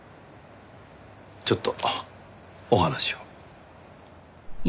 ちょっとお話を。